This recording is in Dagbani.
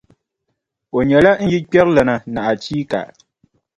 O nyɛla n yilikpɛrilana ni achiika.